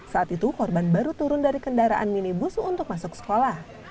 saat itu korban baru turun dari kendaraan minibus untuk masuk sekolah